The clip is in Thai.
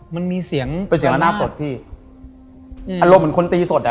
มันมีเสียงเป็นเสียงละหน้าสดพี่อืมอารมณ์เหมือนคนตีสดอ่ะ